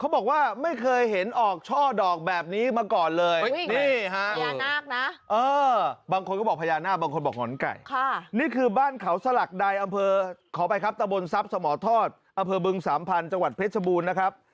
บ้านเขาสลักใดอำเภอขอไปครับตะบนทรัพย์สมทรศอำเภอบึงสามพันธ์จังหวัดเพชรบูรณ์นะครับ